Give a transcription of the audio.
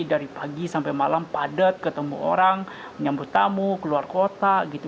dari pagi sampai malam padat ketemu orang menyambut tamu keluar kota gitu